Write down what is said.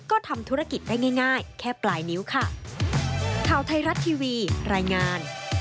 ก็ทำธุรกิจได้ง่ายแค่ปลายนิ้วค่ะ